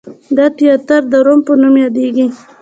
دا تیاتر د روم په نوم یادیږي.